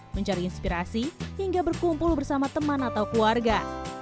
mencari inspirasi hingga berkumpul bersama teman atau keluarga